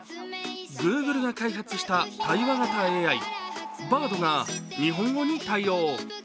グーグルが開発した対話型ＡＩ、Ｂａｒｄが日本語に対応。